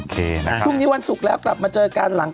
พรุ่งนี้วันศุกร์แล้วกลับมาเจอกันหลัง